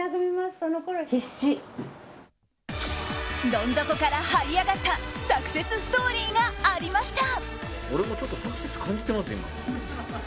どん底からはい上がったサクセスストーリーがありました。